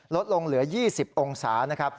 ลดลงเหลือ๒๐องศา